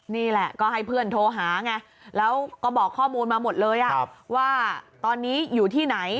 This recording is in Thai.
นี่แหละก็ให้เพื่อนโทรหาไงแล้วก็บอกข้อมูลมาหมดเลยว่าตอนนี้อยู่ที่ไหน